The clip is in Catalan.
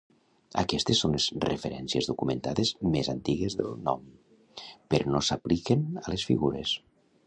Aquestes són les referències documentades més antigues del nom, però no s'apliquen a les figures.